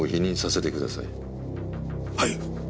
はい。